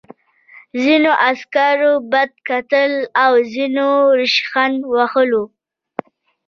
ځینو عسکرو بد کتل او ځینو ریشخند وهلو